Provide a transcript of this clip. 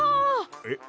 えっ？